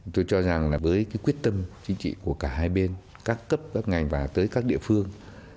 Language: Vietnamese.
tôi cho rằng là với cái quyết tâm chính trị của cả hai bên các cấp các ngành và tới các địa phương